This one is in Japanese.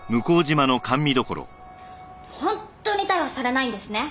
本当に逮捕されないんですね？